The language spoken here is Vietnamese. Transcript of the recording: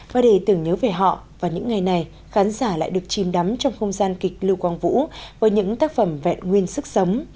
và để tưởng nhớ về họ vào những ngày này khán giả lại được chìm đắm trong không gian kịch lưu quang vũ với những tác phẩm vẹn nguyên sức sống